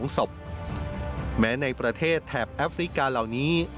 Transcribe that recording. ๒ศพแม้ในประเทศแถบแอฟริกาเหล่านี้